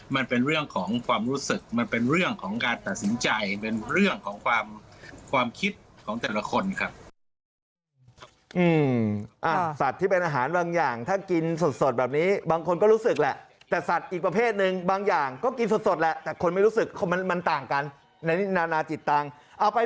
มันเป็นเรื่องของความรู้สึกมันเป็นเรื่องของการตัดสินใจ